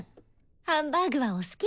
ハンバーグはお好き？